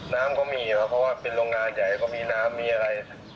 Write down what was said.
น้ำก็มีเพราะว่าเป็นโรงงานใหญ่ก็มีน้ำ